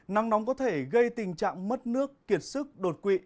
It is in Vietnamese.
nắng nóng có thể gây tình trạng mất nước kiệt sức đột quỵ